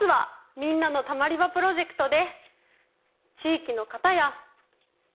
みんなのたまり場プロジェクトで。